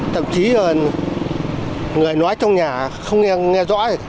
thậm chí người nói trong nhà không nghe rõ